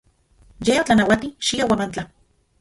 Ye otlanauati xia Huamantla.